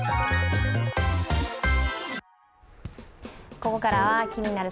ここからは「気になる！